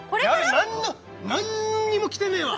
何も何にも着てねえわ！